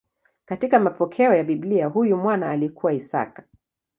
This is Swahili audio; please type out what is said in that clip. Katika mapokeo ya Biblia huyu mwana alikuwa Isaka.